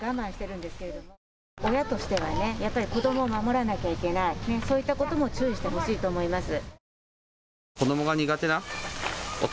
親としてはやっぱり子どもを守らなければいけない、そういったことに注意してほしいと思います。